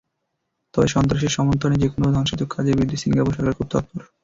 তবে সন্ত্রাসের সমর্থনে যেকোনো ধ্বংসাত্মক কাজের বিরুদ্ধে সিঙ্গাপুর সরকার খুব তৎপর।